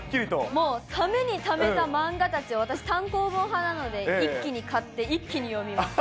もう、ためにためた漫画たちを、私、単行本派なので一気に買って、一気に読みます。